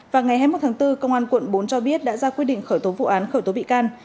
vào ngày hai mươi một tháng bốn công an quận bốn cho biết đã ra quyết định khởi tố vụ án khởi tố bị can